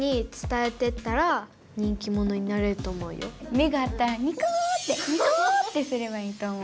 目が合ったらにこってにこってすればいいと思う。